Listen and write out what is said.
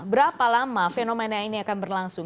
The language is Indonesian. berapa lama fenomena ini akan berlangsung